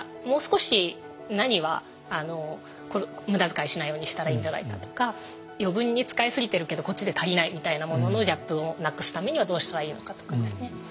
もう少し何は無駄遣いしないようにしたらいいんじゃないかとか余分に使い過ぎてるけどこっちで足りないみたいなもののギャップをなくすためにはどうしたらいいのかとかですね。